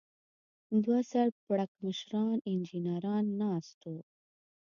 دوه سر پړکمشران انجنیران ناست و.